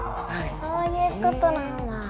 そういうことなんだ。